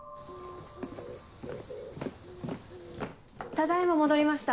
ただ今戻りました。